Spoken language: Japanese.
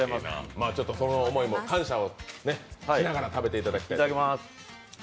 その思いも、感謝をしながら食べていただきたい。